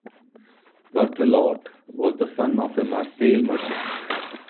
Berthelot was the son of a Marseille merchant.